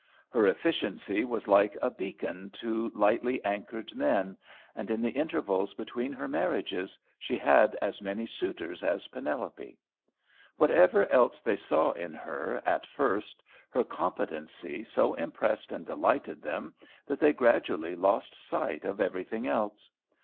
Her efficiency was like a beacon to lightly anchored men, and in the intervals between her marriages she had as many suitors as Penelope. Whatever else they saw in her at first, her competency so impressed and delighted them that they gradually lost sight of everything else.